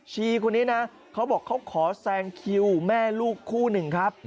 คนนี้นะเขาบอกเขาขอแซงคิวแม่ลูกคู่หนึ่งครับ